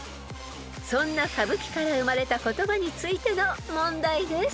［そんな歌舞伎から生まれた言葉についての問題です］